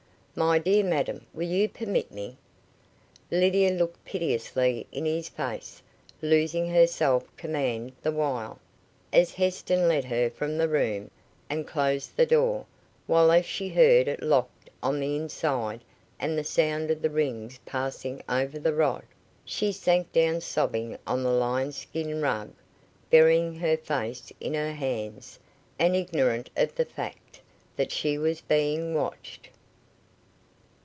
My dear madam, will you permit me?" Lydia looked piteously in his face, losing her self command the while, as Heston led her from the room, and closed the door, while as she heard it locked on the inside and the sound of the rings passing over the rod, she sank down sobbing on the lion skin rug, burying her face in her hands, and ignorant of the fact that she was being watched.